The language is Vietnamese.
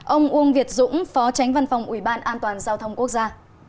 ông uông việt dũng phó tránh văn phòng ủy ban an toàn giao thông quốc gia